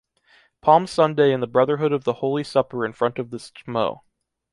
Palm Sunday in the Brotherhood of the Holy Supper in front of the Stmo.